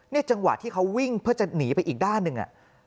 จังหวะที่เขาวิ่งเพื่อจะหนีไปอีกด้านหนึ่ง